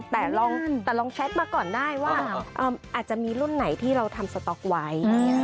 แต่ลองแชทมาก่อนได้ว่าอาจจะมีรุ่นไหนที่เราทำสต๊อกไว้